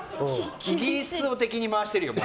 イギリスを敵に回してるよ。